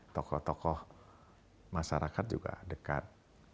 tokoh tokoh masyarakat juga dekat